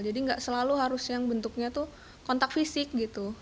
jadi enggak selalu harus yang bentuknya tuh kontak fisik gitu